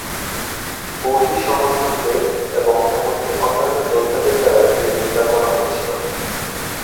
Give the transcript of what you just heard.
কুর্দি সমর্থকদের এবং এমনকি অন্যান্য যোদ্ধাদের দ্বারা এটি নিন্দা করা হয়েছিল।